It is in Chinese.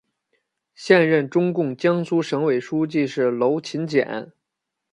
现任中共江苏省委书记是娄勤俭。